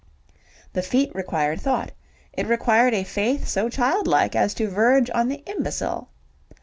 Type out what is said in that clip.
The feat required thought: it required a faith so childlike as to verge on the imbecile.